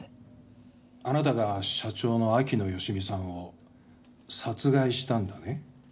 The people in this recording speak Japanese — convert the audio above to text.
あなたが社長の秋野芳美さんを殺害したんだね？